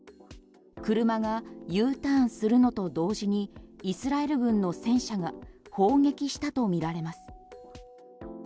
車がＵターンするのと同時にイスラエル軍の戦車が砲撃したとみられます。